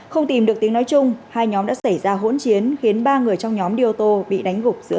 không tìm được tiếng nói chung hai nhóm đã xảy ra hỗn chiến khiến ba người trong nhóm đi ô tô bị đánh gục giữa